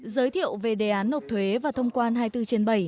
giới thiệu về đề án nộp thuế và thông quan hai mươi bốn trên bảy